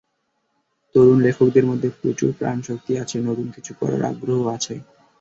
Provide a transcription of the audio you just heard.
তরুণ লেখকদের মধ্যে প্রচুর প্রাণশক্তি আছে, নতুন কিছু করার আগ্রহ আছে।